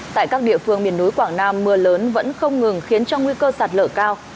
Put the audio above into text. tại các địa phương miền núi quảng nam mưa lớn vẫn không ngừng khiến cho nguy cơ sạt lở cao